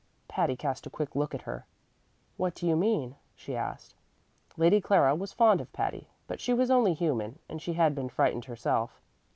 Patty cast a quick look at her. "What do you mean?" she asked. Lady Clara was fond of Patty, but she was only human, and she had been frightened herself.